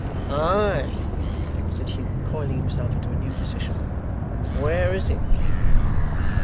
'Ay,' said Hugh, coiling himself into a new position. 'Where is it?